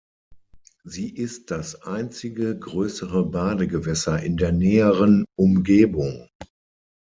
Sie ist das einzige größere Badegewässer in der näheren Umgebung.